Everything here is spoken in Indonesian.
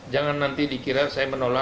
jangan nanti dikira saya menolak